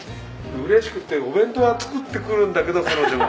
嬉しくてお弁当は作ってくるんだけど彼女が。